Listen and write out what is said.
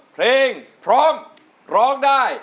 เพลงพร้อมร้องได้